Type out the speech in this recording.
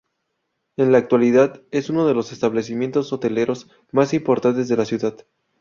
En la actualidad, es uno de los establecimientos hoteleros más importantes de la ciudad.